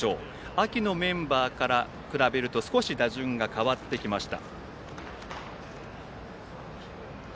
秋のメンバーから比べると少し打順が変わってきました。